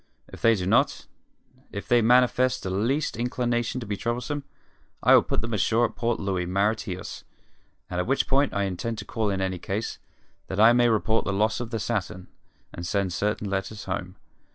If they do not if they manifest the least inclination to be troublesome I will put them ashore at Port Louis, Mauritius, at which port I intend to call in any case, that I may report the loss of the Saturn, and send certain letters home.